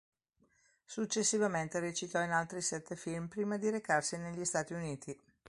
Successivamente recitò in altri sette film prima di recarsi negli Stati Uniti.